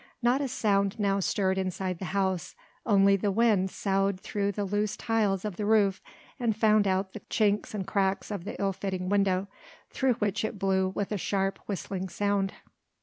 Not a sound now stirred inside the house, only the wind soughed through the loose tiles of the roof and found out the chinks and cracks of the ill fitting window, through which it blew with a sharp, whistling sound.